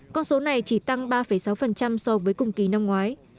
con số này chỉ tăng ba sáu so với cùng kỳ năm ngoái